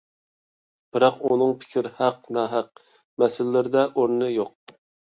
بىراق ئۆنىڭ «پىكىر» «ھەق-ناھەق» مەسىلىلىرىدە ئورنى يوق.